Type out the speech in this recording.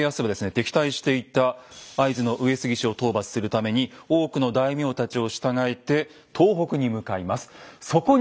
敵対していた会津の上杉氏を討伐するために多くの大名たちを従えて東北に向かいます。